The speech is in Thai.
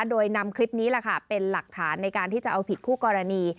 โดยนำคลิปนี้แหละค่ะเป็นหลักฐานในการที่จะเอาผิดคู่กรณี